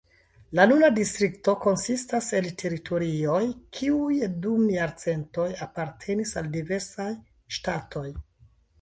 La nuna distrikto konsistas el teritorioj, kiuj dum jarcentoj apartenis al diversaj ŝtatoj.